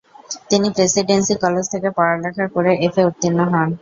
তিনি Presidency College থেকে পড়ালেখা করে এফ এ উত্তীর্ণ হন।